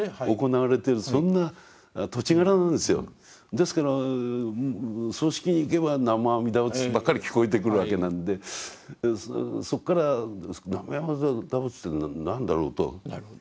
ですから葬式に行けば南無阿弥陀仏ばっかり聞こえてくるわけなんでそこから南無阿弥陀仏というのは何だろうと。